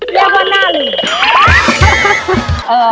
เรียกว่าหน้าลึ่ม